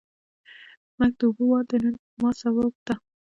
مرګ د اوبو وار دی نن په ما ، سبا په تا.